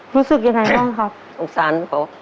ปลูกเลย